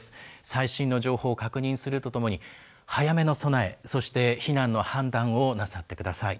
最新の情報を確認するとともに、早めの備え、そして避難の判断をなさってください。